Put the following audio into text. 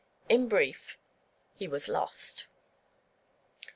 In brief, he was "lost."